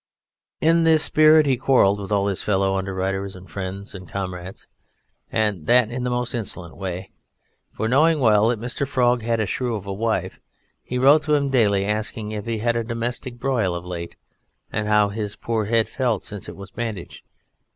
In this spirit he quarrelled with all his fellow underwriters and friends and comrades, and that in the most insolent way. For knowing well that Mr. Frog had a shrew of a wife, he wrote to him daily asking "if he had had a domestic broil of late, and how his poor head felt since it was bandaged."